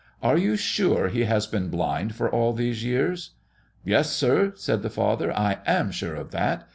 "Are you sure he has been blind for all these years?" "Yes, sir," said the father, "I am sure of that.